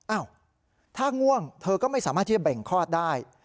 อ้าวถ้าง่วงเธอก็ไม่สามารถที่จะเบ่งคลอดได้